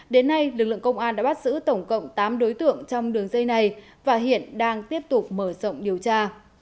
đến nay lực lượng công an đã bắt giữ tổng cộng tám đối tượng trong đường dây này và hiện đang tiếp tục mở rộng điều tra